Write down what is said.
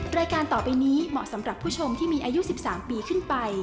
รายการต่อไปนี้เหมาะสำหรับผู้ชมที่มีอายุ๑๓ปีขึ้นไป